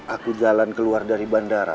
aku jalan keluar dari bandara